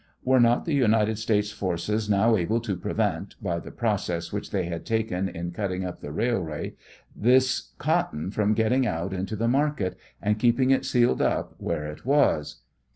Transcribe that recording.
Were not the United States forces now able to prevent, by the process which they had taken in cut ting up the railway, this cotton from getting out into the market, and keeping it sealed up where it was